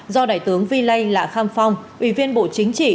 do đại tướng vi lây lạ kham phong ủy viên bộ chính trị